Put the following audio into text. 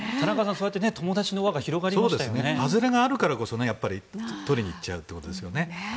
そうやって友達の輪がハズレがあるからこそ取りに行っちゃうんですよね。